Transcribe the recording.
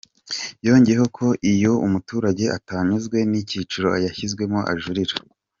Yongeyeho ko iyo umuturage atanyuzwe n’ icyiciro yashyizwemo ajurira.